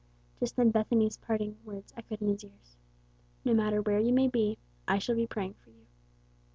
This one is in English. Just then Bethany's parting words echoed in his ears, "No matter where you may be, I shall be praying for you."